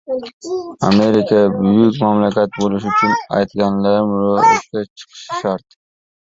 Amerika buyuk mamlakat bo‘lishi uchun aytganlarim ro‘yobga chiqishi shart.